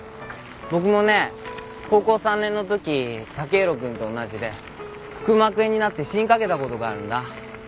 僕もね高校３年のとき剛洋君と同じで腹膜炎になって死にかけたことがあるんだ。